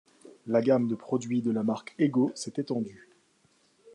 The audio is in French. La gamme de produits de la marque Eggo s'est étendue.